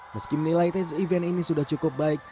meski menilai tes event ini sudah cukup baik